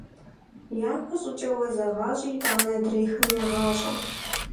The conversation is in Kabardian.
Япэ щӏыкӏэ уэ зэгъащӏи итӏанэ адрейхэм егъащӏэ.